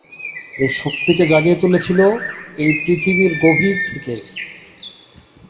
এ শক্তিকে জাগিয়ে তুলেছিল, এই পৃথিবীর গভীর থেকে।